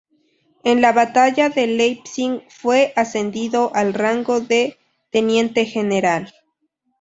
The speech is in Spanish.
En la batalla de Leipzig fue ascendido al rango de teniente general.